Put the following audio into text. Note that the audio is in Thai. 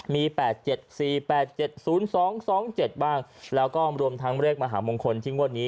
มี๘๗๔๘๗๐๒๒๗บ้างแล้วก็รวมทั้งเลขมหามงคลที่งวดนี้